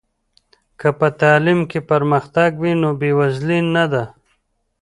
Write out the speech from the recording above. که په تعلیم کې پرمختګ وي، نو بې وزلي نه ده.